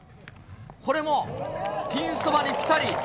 これもピンそばにぴたり。